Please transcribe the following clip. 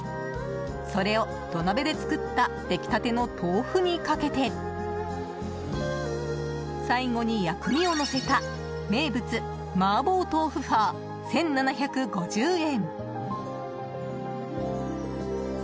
それを土鍋で作った出来たての豆腐にかけて最後に薬味をのせた名物、マーボートーフファー１７５０円。